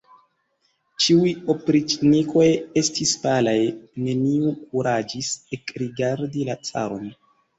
Ĉiuj opriĉnikoj estis palaj; neniu kuraĝis ekrigardi la caron.